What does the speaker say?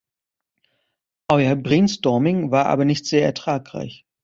Euer Brainstorming war aber nicht sehr ertragreich.